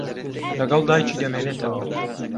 لەگەڵ دایکی دەمێنێتەوە.